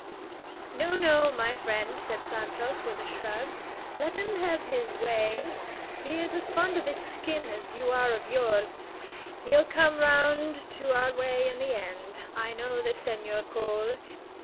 "No, no, my friend," said Santos, with a shrug; "let him have his way. He is as fond of his skeen as you are of yours; he'll come round to our way in the end. I know this Senhor Cole.